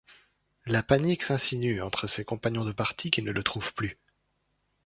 La panique s'insinue entre ses compagnons de parti qui ne le trouvent plus.